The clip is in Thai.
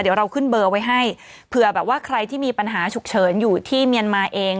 เดี๋ยวเราขึ้นเบอร์ไว้ให้เผื่อแบบว่าใครที่มีปัญหาฉุกเฉินอยู่ที่เมียนมาเอง